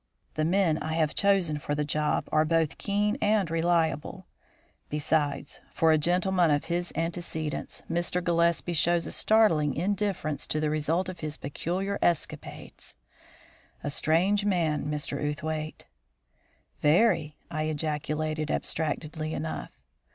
The men I have chosen for the job are both keen and reliable; besides, for a gentleman of his antecedents, Mr. Gillespie shows a startling indifference to the result of his peculiar escapades. A strange man, Mr. Outhwaite." "Very," I ejaculated abstractedly enough.